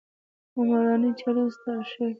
عمراني چارې وستایل شوې.